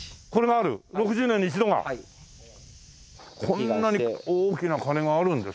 こんなに大きな鐘があるんですか？